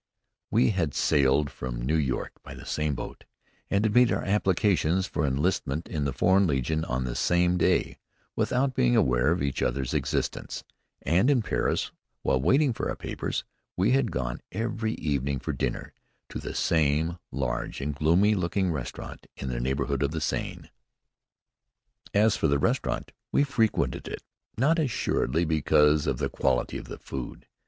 We had sailed from New York by the same boat, had made our applications for enlistment in the Foreign Legion on the same day, without being aware of each other's existence; and in Paris, while waiting for our papers, we had gone, every evening, for dinner, to the same large and gloomy looking restaurant in the neighborhood of the Seine. As for the restaurant, we frequented it, not assuredly because of the quality of the food.